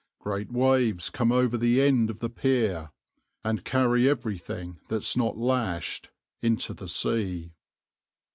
Great waves come over the end of the pier, and carry everything, that's not lashed, into the sea.